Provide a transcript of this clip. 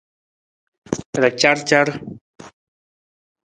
Racarcar.